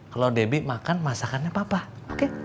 kalau debbie makan masakannya papa oke